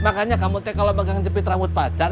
makanya kamu teh kalau pegang jepit rambut pacar